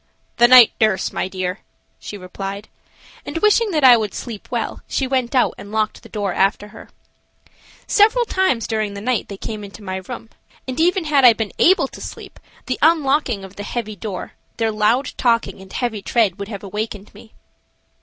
"The night nurse, my dear," she replied, and, wishing that I would sleep well, she went out and locked the door after her. Several times during the night they came into my room, and even had I been able to sleep, the unlocking of the heavy door, their loud talking, and heavy tread, would have awakened me.